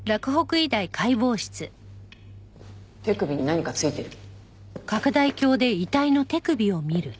手首に何かついてる。